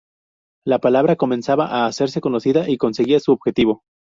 La palabra comenzaba a hacerse conocida y conseguía su objetivo.